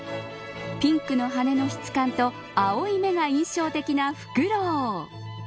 ピンクの羽の質感と青い目が印象的なフクロウ。